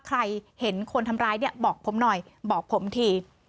ใครเห็นคนทำร้ายเนี่ยบอกผมหน่อยบอกผมที